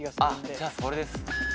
じゃあそれです。